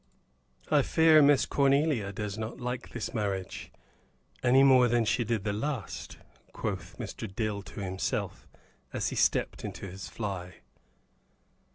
"I fear Miss Cornelia does not like this marriage, any more than she did the last," quoth Mr. Dill to himself as he stepped into his fly.